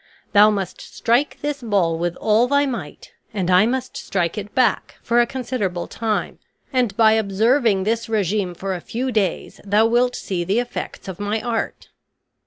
Thou must strike this ball with all thy might and I must strike it back for a considerable time; and by observing this regimen for a few days thou wilt see the effects of my art."